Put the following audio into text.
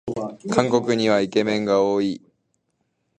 韓国にはイケメンが多い